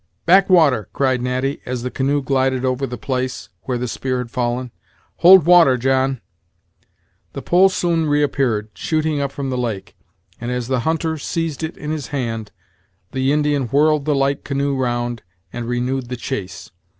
"Back water," cried Natty, as the canoe glided over the place where the spear had fallen; "hold water, John." The pole soon reappeared, shooting up from the lake, and, as the hunter seized it in his hand, the Indian whirled the light canoe round, and renewed the chase.